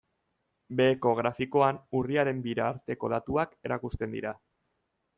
Beheko grafikoan urriaren bira arteko datuak erakusten dira.